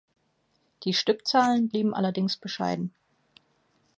Die Stückzahlen blieben allerdings bescheiden.